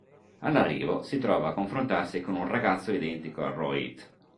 All'arrivo, si trova a confrontarsi con un ragazzo identico a Rohit.